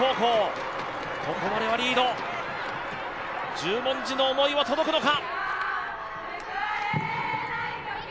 十文字の思いは届くのか。